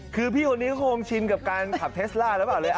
คือพี่คนนี้เขาคงชินกับการขับเทสล่าหรือเปล่าเลย